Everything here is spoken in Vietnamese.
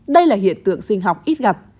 đây là hiện tượng sinh học ít gặp